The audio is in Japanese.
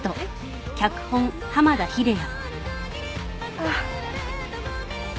あっ。